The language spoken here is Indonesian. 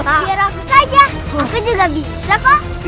biar aku saja aku juga bisa kok